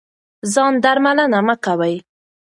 ځان درملنه مه کوئ.